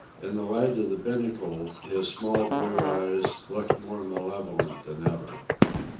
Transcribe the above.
In the light of the binnacle his small blue eyes looked more malevolent than ever.